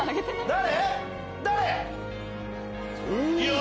誰？